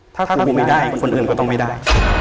ถ้าครูไม่ได้คนอื่นก็ต้องไม่ได้